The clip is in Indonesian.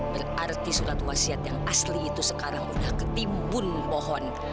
berarti surat wasiat yang asli itu sekarang sudah ketimbun pohon